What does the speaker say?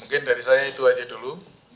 mungkin dari saya itu aja dulu